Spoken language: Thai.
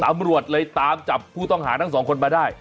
ตำรวจเลยตามจับผู้ต้องหาทั้งสองคนมาได้